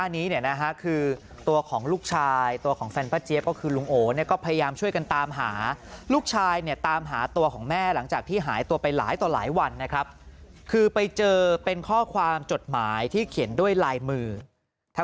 นะครับคือไปเจอเป็นข้อความจดหมายที่เขียนด้วยลายมือถ้า